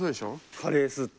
カレー吸って。